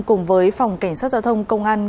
cùng với phòng cảnh sát giao thông công an